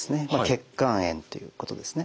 血管炎っていうことですね。